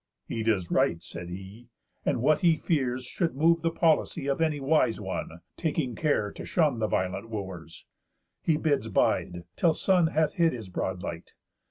"He does right," said he, "And what he fears should move the policy Of any wise one; taking care to shun The violent Wooers. He bids bide, till sun Hath hid his broad light.